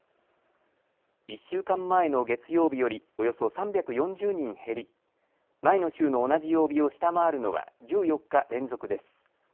１週間前の月曜日よりおよそ３４０人減り、前の週の同じ曜日を下回るのは１４日連続です。